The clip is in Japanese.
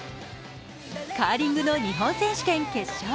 カーリングの日本選手権決勝。